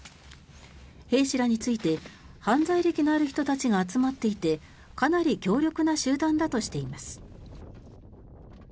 兵士らについて犯罪歴のある人たちが集まっていてかなり強力な集団だとしています。